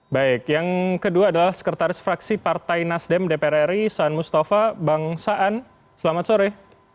baik yang kedua adalah sekretaris fraksi partai nasdem dpr ri saan mustafa bang saan selamat sore